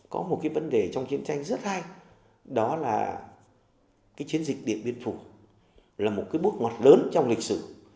có một cái vấn đề trong chiến tranh rất hay đó là cái chiến dịch điện biên phủ là một cái bước ngoặt lớn trong lịch sử